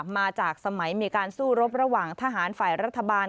มาจากสมัยมีการสู้รบระหว่างทหารฝ่ายรัฐบาล